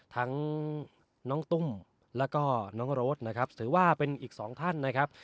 ทั้งน้องตุ้มแล้วก็น้องโรดนะครับถือว่าเป็นอีกสองท่านนะครับ